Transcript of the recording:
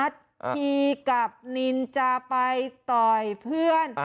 ทีกับนินจะไปต่อยเพื่อน